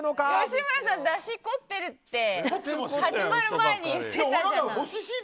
吉村さん、だしに凝ってるって始まる前に言ってたじゃない。